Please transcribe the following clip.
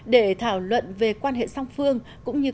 để thảo luận về quan hệ song phương